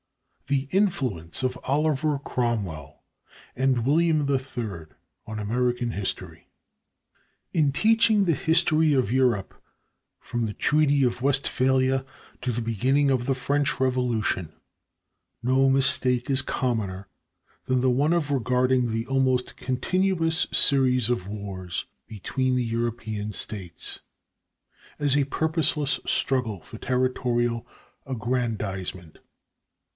THE INFLUENCE OF OLIVER CROMWELL AND WILLIAM III ON AMERICAN HISTORY. In teaching the history of Europe from the Treaty of Westphalia to the beginning of the French Revolution, no mistake is commoner than the one of regarding the almost continuous series of wars between the European States as a purposeless struggle for territorial aggrandizement.